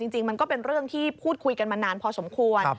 จริงมันก็เป็นเรื่องที่พูดคุยกันมานานพอสมควร